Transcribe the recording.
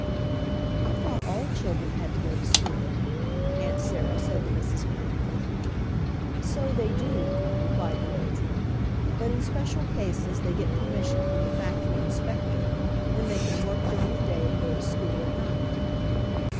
"I thought all children had to go to school," Aunt Sarah said to Mrs. Manily. "So they do," replied the matron, "but in special cases they get permission from the factory inspector. Then they can work during the day and go to school at night."